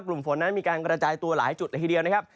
กลุ่มฝนนั้นมีการกระจายตัวหลายจุดละทีเดียวนะครับ